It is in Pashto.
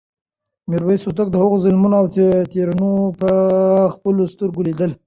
میرویس هوتک د هغه ظلمونه او تېروتنې په خپلو سترګو لیدې.